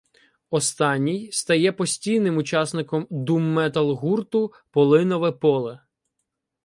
Останній стає постійним учасником думметал гурту Полинове Поле.